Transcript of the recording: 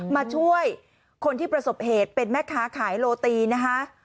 มาช่วยคนที่ประสบเหตุเป็นแม่ค้าขายโรตีนะคะ